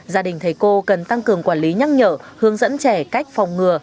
gia đình thầy cô cần tăng cường quản lý nhắc nhở hướng dẫn trẻ cách phòng ngừa